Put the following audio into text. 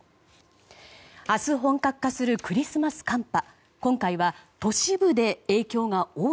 明日、本格化するクリスマス寒波。